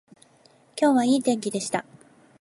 今日はいい天気でした